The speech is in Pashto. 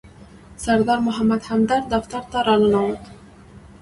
سردار محمد همدرد دفتر ته راننوت.